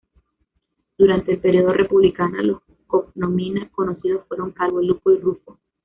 Durante el periodo republicana, los "cognomina" conocidos fueron Calvo, Lupo y Rufo.